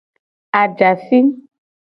Ajafi.